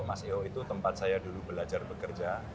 mas io itu tempat saya dulu belajar bekerja